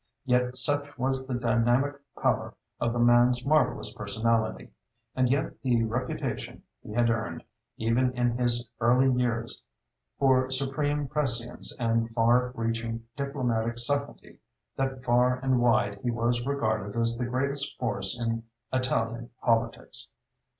Yet such was the dynamic power of the man's marvellous personality, and the reputation he had earned, even in his early years, for supreme prescience and far reaching diplomatic subtlety, that far and wide he was regarded as the greatest force in Italian politics.